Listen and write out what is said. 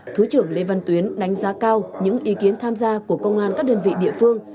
thứ trưởng lê văn tuyến đánh giá cao những ý kiến tham gia của công an các đơn vị địa phương